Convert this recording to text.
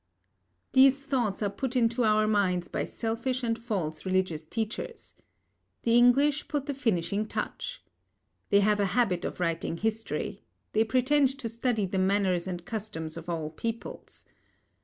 These thoughts are put into our minds by selfish and false religious teachers. The English put the finishing touch. They have a habit of writing history; they pretend to study the manners and customs of all peoples.